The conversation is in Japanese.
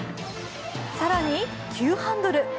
更に急ハンドル。